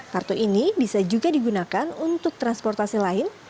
kartu ini bisa juga digunakan untuk transportasi lain